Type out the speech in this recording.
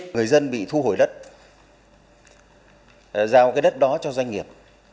người dân bị thu hồi đất giao cái đất đó cho doanh nghiệp